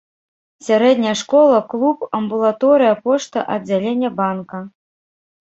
Сярэдняя школа, клуб, амбулаторыя, пошта, аддзяленне банка.